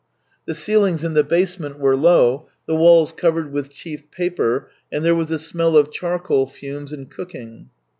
The ceilings in the basement were low, the walls covered with cheap paper, and there was a smell of charcoal fumes and cooking.